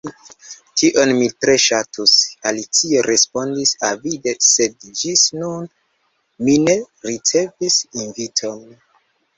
"Tion mi tre ŝatus," Alicio respondis avide, "sed ĝis nun mi ne ricevis inviton."